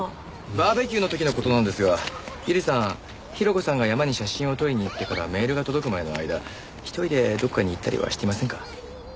バーベキューの時の事なんですが百合さん広子さんが山に写真を撮りに行ってからメールが届くまでの間１人でどこかに行ったりはしてませんか？